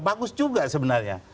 bagus juga sebenarnya